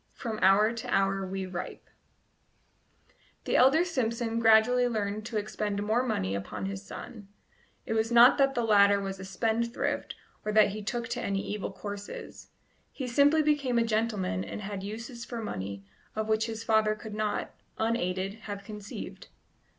"FROM HOUR TO HOUR WE RIPE " The elder Simpson gradually learned to expend more money upon his son; it was not that the latter was a spendthrift or that he took to any evil courses he simply became a gentleman and had uses for money of which his father could not, unaided, have conceived.